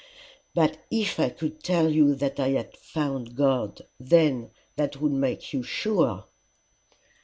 "But if I could tell you I had found God, then that would make you sure."